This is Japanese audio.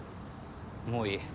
もういい。